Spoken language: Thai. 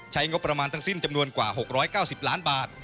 ใช้งบประมาณทั้งสิ้นจำนวนกว่าหกร้อยเก้าสิบล้านบาท